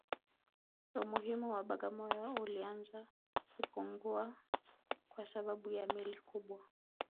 Umuhimu wa Bagamoyo ulianza kupungua kwa sababu ya meli kubwa